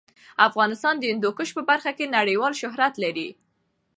افغانستان د هندوکش په برخه کې نړیوال شهرت لري.